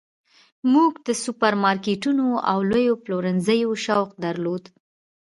موږ د سوپرمارکیټونو او لویو پلورنځیو شوق درلود